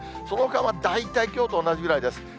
そのほかは大体きょうと同じぐらいです。